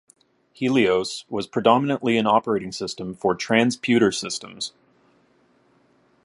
Helios was predominantly an operating system for Transputer systems.